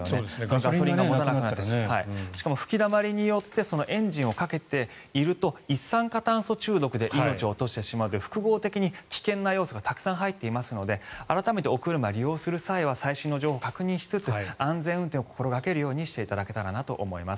ガソリンがもたなくなったりしかも吹きだまりによってエンジンをかけていると一酸化炭素中毒で命を落としてしまう複合的に危険な要素がたくさん入っていますので改めてお車を利用する際は最新の情報を確認しつつ安全運転を心掛けるようにしていただければと思います。